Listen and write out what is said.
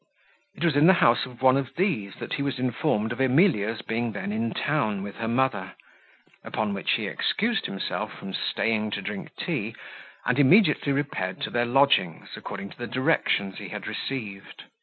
It was in the house of one of these that he was informed of Emilia's being then in town with her mother; upon which he excused himself from staying to drink tea, and immediately repaired to their lodgings, according to the directions he had received.